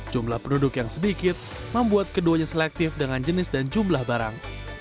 jumlah penduduk yang sedikit membuat keduanya selektif dengan jenis dan jumlah barang